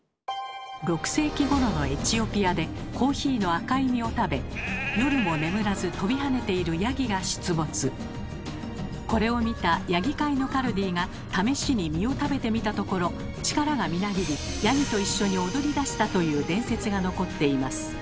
６世紀ごろのエチオピアでコーヒーの赤い実を食べこれを見たヤギ飼いのカルディが試しに実を食べてみたところという伝説が残っています。